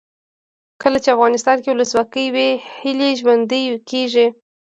کله چې افغانستان کې ولسواکي وي هیلې ژوندۍ کیږي.